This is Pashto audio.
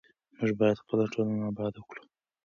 موږ باید خپله ټولنه اباده کړو.